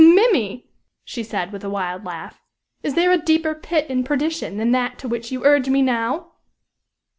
"Mimmy!" she said, with a wild laugh, "is there a deeper pit in perdition than that to which you urge me now?"